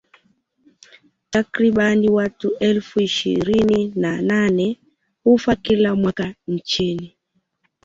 Takribani watu elfu ishirini na nane hufa kila mwaka nchini